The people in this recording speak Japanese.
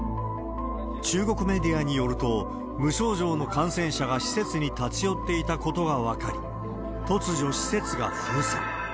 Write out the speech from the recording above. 中国メディアによると、無症状の感染者が施設に立ち寄っていたことが分かり、突如施設が封鎖。